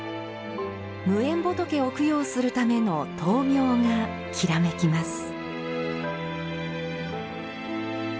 無縁仏を供養するための灯明がきらめきます。